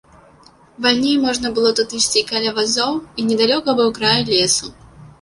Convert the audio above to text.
Вальней можна было тут ісці каля вазоў, і недалёка быў край лесу.